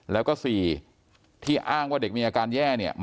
แล้วก็๔ที่อ้างว่าเด็กมีอาการแย่เนี่ย